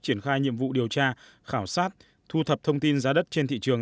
triển khai nhiệm vụ điều tra khảo sát thu thập thông tin giá đất trên thị trường